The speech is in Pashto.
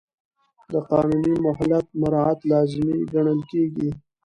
د قانوني مهلت مراعات لازمي ګڼل کېږي.